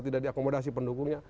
tidak diakomodasi pendukungnya